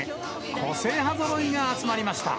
個性派ぞろいが集まりました。